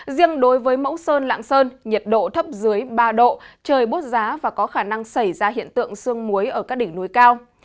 riêng đối với mẫu sơn lạng sơn nhiệt độ thấp dưới ba độ trời bốt giá và có khả năng xảy ra hiện tượng sương muối ở các đỉnh núi cao